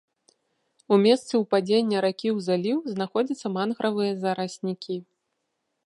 У месцы ўпадзення ракі ў заліў знаходзяцца мангравыя зараснікі.